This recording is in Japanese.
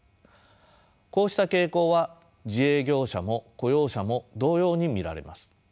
こうした傾向は自営業者も雇用者も同様に見られます。